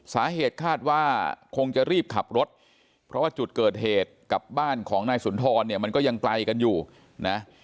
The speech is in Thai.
สาเหตุคาดว่าคงจะรีบขับรถเพราะว่าจุดเกิดเหตุกับบ้านของนายสุนทรเนี่ยมันก็ยังไกลกันอยู่นะ